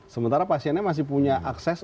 sementara pasiennya masih punya akses